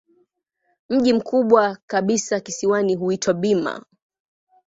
Mji mkubwa kabisa kisiwani huitwa Bima.